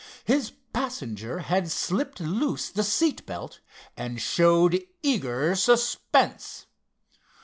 His passenger had slipped loose the seat belt, and showed eager suspense.